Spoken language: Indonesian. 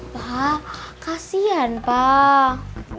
pak kasian pak